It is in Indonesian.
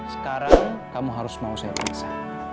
sekarang kamu harus mau saya periksa